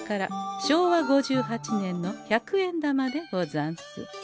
昭和５８年の百円玉でござんす。